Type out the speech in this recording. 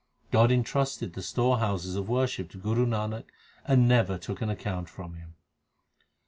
God entrusted the storehouses of worship to Guru Nanak, and never took an account from him.